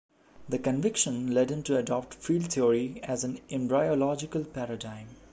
This conviction led him to adopt field theory as an embryological paradigm.